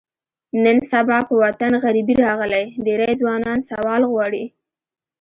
نن سبا په وطن غریبي راغلې، ډېری ځوانان سوال غواړي.